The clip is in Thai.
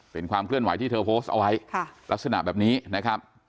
เป็นความเคลื่อนไหวที่เธอโพสต์เอาไว้ลักษณะแบบนี้นะครับ